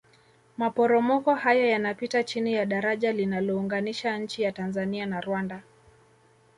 maporomoko hayo yanapita chini ya daraja linalounganisha nchi ya tanzania na rwanda